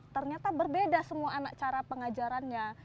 ternyata berbeda semua anak cara pengajarannya